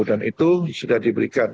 dan itu sudah diberikan